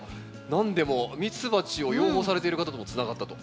なんでもミツバチを養蜂されている方ともつながったと。